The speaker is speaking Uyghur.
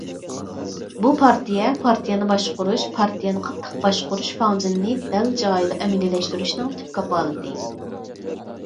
بۇ پارتىيە پارتىيەنى باشقۇرۇش، پارتىيەنى قاتتىق باشقۇرۇش فاڭجېنىنى دەل جايىدا ئەمەلىيلەشتۈرۈشنىڭ تۈپ كاپالىتى.